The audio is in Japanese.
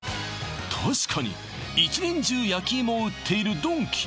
確かに１年中焼き芋を売っているドンキ